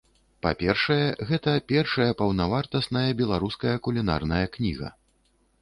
Па-першае, гэта першая паўнавартасная беларуская кулінарная кніга.